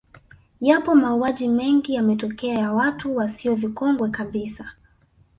Yapo mauaji mengi yametokea ya watu wasio vikongwe kabisa